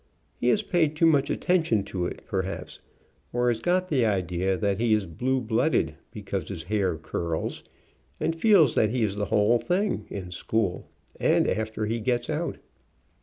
He has paid too much attention to it, perhaps, or has got the idea that he is blue blooded, because THE COUNTRY'S BRIDE AND GROOM 75 his hair curls, and feels that he is the whole thing, in school, and after he gets out.